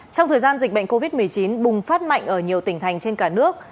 trong thời gian dịch bệnh covid một mươi chín bùng phát mạnh ở nhiều tỉnh thành trên cả nước